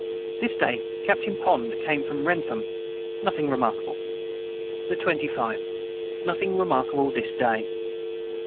This day capt Pond came from Wrentham Nothing remarkable. the 25. Nothing remarkable this day.